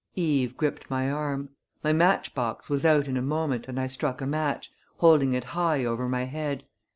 Eve gripped my arm. My matchbox was out in a moment and I struck a match, holding it high over my head.